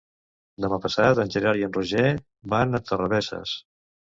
Demà passat en Gerard i en Roger van a Torrebesses.